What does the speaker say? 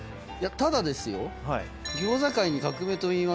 ただですよ。